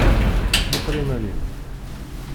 Muqqel iman-im.